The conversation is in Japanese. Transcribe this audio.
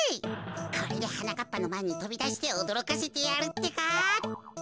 これではなかっぱのまえにとびだしておどろかせてやるってか。